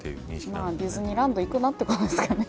まあ、ディズニーランド行くなってことですよね。